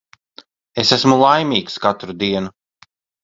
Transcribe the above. Es esmu laimīgs katru dienu.